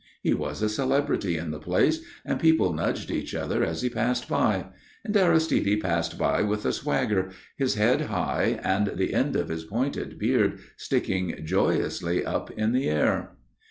He was a celebrity in the place and people nudged each other as he passed by. And Aristide passed by with a swagger, his head high and the end of his pointed beard sticking joyously up in the air.